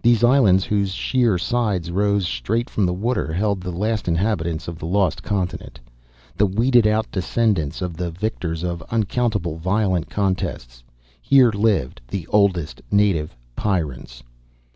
These islands, whose sheer, sides rose straight from the water, held the last inhabitants of the lost continent. The weeded out descendants, of the victors of uncountable violent contests. Here lived the oldest native Pyrrans.